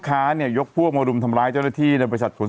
เดี๋ยวนี้ทำมาชากมาก